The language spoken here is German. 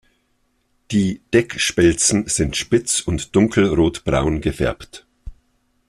Die Deckspelzen sind spitz und dunkelrotbraun gefärbt.